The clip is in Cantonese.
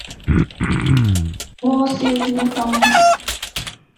鍋燒烏冬